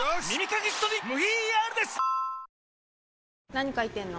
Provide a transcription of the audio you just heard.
何書いてんの？